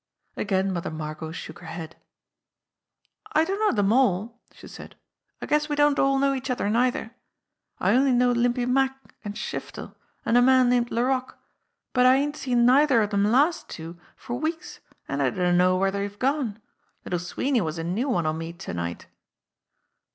Again Mother Margot shook her head. "I dunno dem all," she said. "I guess we don't all knoW each other neither. I only know Limpy Mack an' Shifted an' a man named Laroque; but I ain't seen neither of den? last two for weeks, an' I dunno where dey've gone. Little* Sweeney was a new one on me to night."